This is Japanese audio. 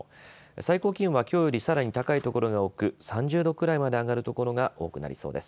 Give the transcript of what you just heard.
最高気温はきょうよりさらに高い所が多く３０度くらいまで上がる所が多くなりそうです。